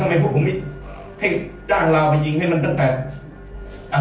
ทำไมพวกผมไม่ให้จ้างเราไปยิงให้มันตั้งแต่อ่า